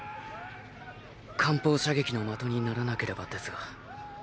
艦砲射撃の的にならなければですが。